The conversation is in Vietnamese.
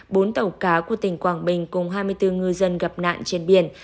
bốn tàu cá của tỉnh quảng bình cùng hai mươi bốn ngư dân gặp nạn trên biển